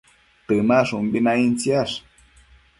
Temashumbi naidtsiash